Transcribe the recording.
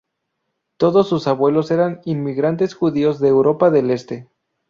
Todos sus abuelos eran inmigrantes judíos de Europa del Este.